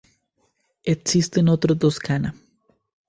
Existen otros dos kana.